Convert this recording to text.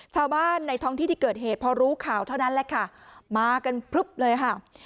ชาวบ้านในท้องที่ที่เกิดเหตุพอรู้ข่าวเท่านั้นแหละค่ะมากันพลึบเลยค่ะ